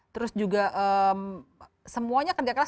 terus juga semuanya kerja keras